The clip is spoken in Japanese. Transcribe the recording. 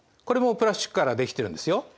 これもプラスチックからできてるんですよ。